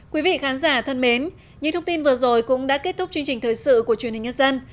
quý vị khán giả thân mến những thông tin vừa rồi cũng đã kết thúc chương trình thời sự của truyền hình nhân dân